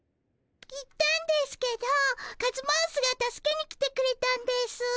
行ったんですけどカズマウスが助けに来てくれたんですぅ。